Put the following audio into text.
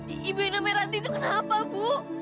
ibu ibu ina meranti itu kenapa bu